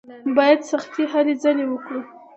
بايد سختې هلې ځلې وکړو.